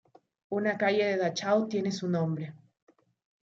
Una calle de Dachau tiene su nombre.